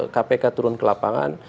kpk turun ke lapangan